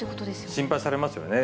心配されますよね。